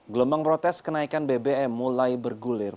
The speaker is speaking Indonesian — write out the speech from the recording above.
gelombang protes kenaikan bbm mulai bergulir